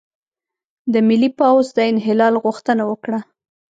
د ملي پوځ د انحلال غوښتنه وکړه،